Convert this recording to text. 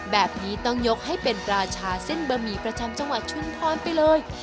แบบนี้ต้องยกให้เป็นราชาเส้นบะหมี่ประจำจังหวัดชุมพรไปเลย